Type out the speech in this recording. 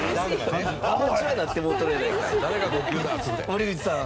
森口さん。